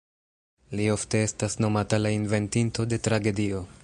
Li ofte estas nomata la ""Inventinto de Tragedio"".